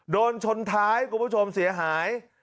โดนชนท้ายคุณผู้ชมเสียหาย